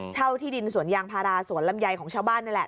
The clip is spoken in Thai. ที่ดินสวนยางพาราสวนลำไยของชาวบ้านนี่แหละ